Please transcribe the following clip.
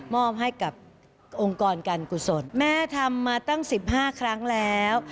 มอบให้กับองค์กรการกุศลแม่ทำมาตั้งสิบห้าครั้งแล้ว